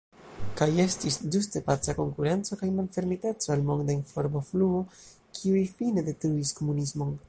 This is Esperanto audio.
Kaj estis ĝuste paca konkurenco kaj malfermiteco al monda informofluo, kiuj fine detruis komunismon.